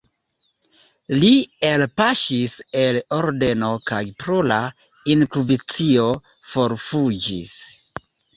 Li elpaŝis el ordeno kaj pro la inkvizicio forfuĝis.